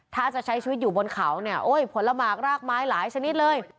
ถ้าจะใช้ชีวิตอยู่บนเขาผลมากรากไม้หลายชนิดเลย